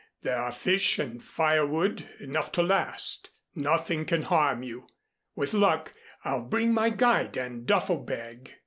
There are fish and firewood enough to last. Nothing can harm you. With luck I'll bring my guide and duffel bag."